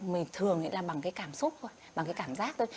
mình thường là bằng cái cảm xúc thôi bằng cái cảm giác thôi